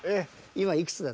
「今いくつだ？」。